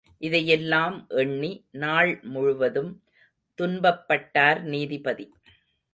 இதையெல்லாம் எண்ணி நாள் முழுவதும் துன்பப்பட்டார் நீதிபதி.